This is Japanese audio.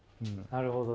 なるほど。